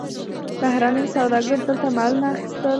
بهرنیو سوداګرو دلته مالونه اخیستل.